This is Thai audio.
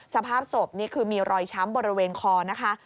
สภาพศพนี่คือมีรอยช้ำบริเวณคอนะคะ